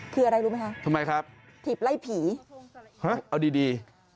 คืออะไรรู้ไหมคะทำไมครับถีบไล่ผีเอาดีดี